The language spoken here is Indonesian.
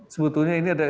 sebetulnya ini ada